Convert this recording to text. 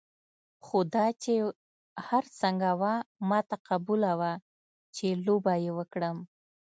خو دا چې هر څنګه وه ما ته قبوله وه چې لوبه یې وکړم.